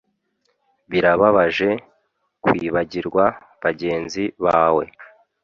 Birababaje kwibagirwa bagenzi bawe